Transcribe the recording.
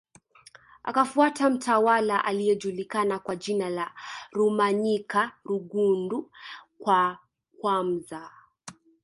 Akafuata mtawala aliyejulikana kwa jina la Rumanyika Rugundu wa kwamza